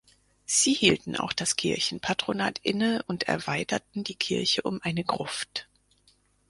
Sie hielten auch das Kirchenpatronat inne und erweiterten die Kirche um eine Gruft.